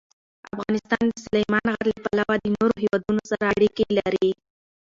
افغانستان د سلیمان غر له پلوه له نورو هېوادونو سره اړیکې لري.